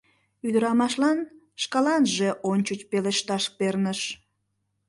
Ӱдырамашлан шкаланже ончыч пелешташ перныш.